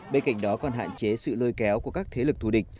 bên cạnh đó còn hạn chế sự lôi kéo của các thế lực thù địch